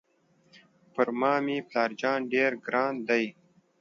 پر ما مې پلار جان ډېر ګران دی.